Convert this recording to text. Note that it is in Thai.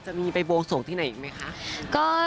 จะมีไปบวงสวงที่ไหนอีกไหมคะ